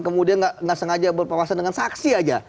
kemudian nggak sengaja berpawasan dengan saksi aja